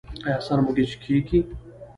ایا سر مو ګیچ کیږي؟